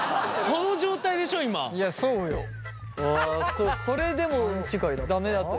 そうそれでも駄目だった。